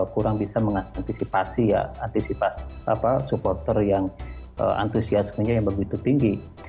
kurang bisa mengantisipasi supporter yang antusiasmenya yang begitu tinggi